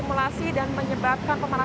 selamat malam sehat selalu